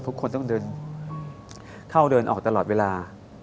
ทุกคนต้องเดินเข้าเดินออกตลอดเวลา